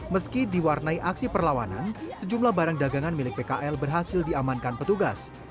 meski diwarnai aksi perlawanan sejumlah barang dagangan milik pkl berhasil diamankan petugas